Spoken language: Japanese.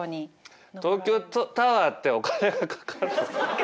東京タワーってお金がかかる。